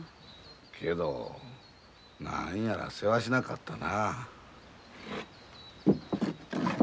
けど何やらせわしなかったな。